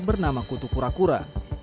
bernama kutu kurakura